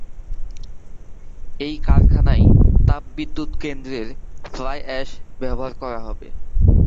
এই কারখানায় তাপবিদ্যুৎ কেন্দ্রের ফ্লাই অ্যাশ ব্যবহার করা হবে।